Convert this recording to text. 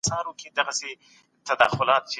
بغلان د صنعت ځای دی.